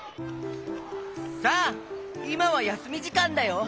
さあいまはやすみじかんだよ。